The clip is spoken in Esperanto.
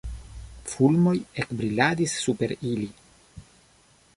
Fulmoj ekbriladis super ili.